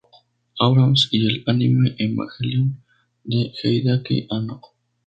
Abrams, y el anime Evangelion de Hideaki Anno.